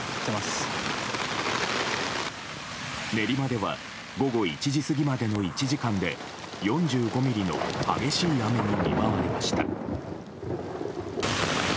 練馬では午後１時過ぎまでの１時間で４５ミリの激しい雨に見舞われました。